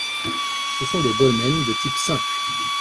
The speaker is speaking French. Ce sont des dolmens de type simple.